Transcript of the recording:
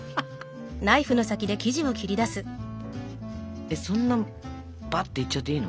えっそんなバッといっちゃっていいの？